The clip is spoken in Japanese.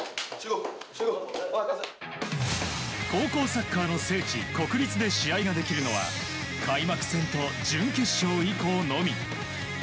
高校サッカーの聖地国立で試合ができるのは開幕戦と準決勝以降のみ。